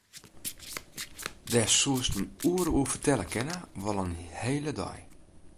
Dêr soest in oere oer fertelle kinne, wol in hele dei.